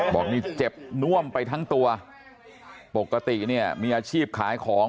บอกนี่เจ็บน่วมไปทั้งตัวปกติเนี่ยมีอาชีพขายของ